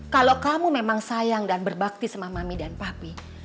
kalau kamu memang sayang dan berbakti sama mami dan papi